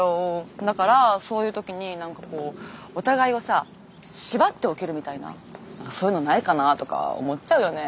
だからそういう時に何かこうお互いをさ縛っておけるみたいなそういうのないかなとか思っちゃうよね。